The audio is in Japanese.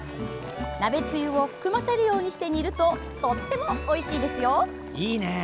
鍋つゆを含ませるようにして煮ると、とってもおいしいですよ。